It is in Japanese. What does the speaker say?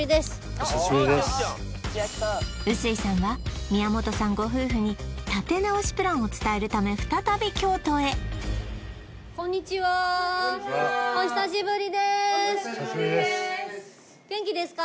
お久しぶりです臼井さんは宮本さんご夫婦に立て直しプランを伝えるため再び京都へお久しぶりでーす元気ですか？